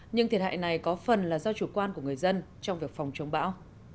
nhưng thiệt hại này có phần là do chủ quan của người dân trong việc phòng chống bão